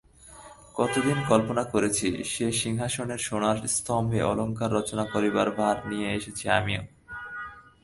কতদিন কল্পনা করেছি সেই সিংহাসনের সোনার স্তম্ভে অলংকার রচনা করবার ভার নিয়ে এসেছি আমিও।